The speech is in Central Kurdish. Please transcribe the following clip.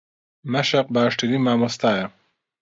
مەشق باشترین مامۆستایە.